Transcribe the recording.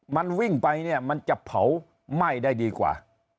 มันวิ่งไปเนี่ยมันจะเผาไหม้ได้ดีกว่า